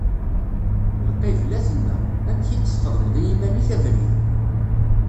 Lqibla tenna: Amek i d-txedmeḍ i yiman-ik abrid!